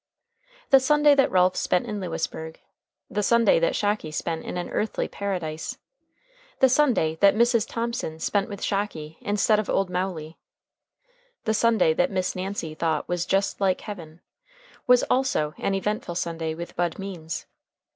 The Sunday that Ralph spent in Lewisburg, the Sunday that Shocky spent in an earthly paradise, the Sunday that Mrs. Thomson spent with Shocky instead of old Mowley, the Sunday that Miss Nancy thought was "just like heaven," was also an eventful Sunday with Bud Means.